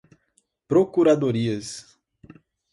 procuradorias